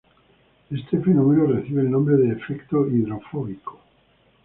Este fenómeno recibe el nombre de efecto hidrofóbico.